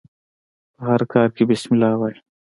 په هر کار کښي بسم الله وايه!